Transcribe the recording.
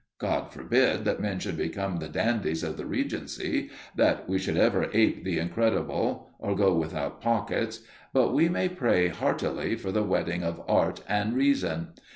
God forbid that men should become the dandies of the Regency, that we should ever ape the incredible or go without pockets, but we may pray heartily for the wedding of Art and Reason.